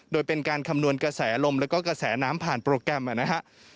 โดยเป็นการคำนวณกระแสลมแล้วก็กระแสน้ำผ่านโปรแกรมนะครับ